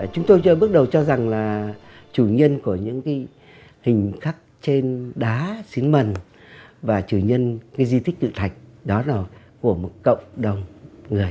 chúng tôi bước đầu cho rằng là chủ nhân của những cái hình khắc trên đá xín mần và chủ nhân cái di tích tự thạch đó là của một cộng đồng người